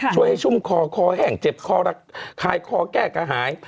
ช่วยให้ชุ่มคอคอแห้งเจ็บคอรักคายคอแก้กระหาย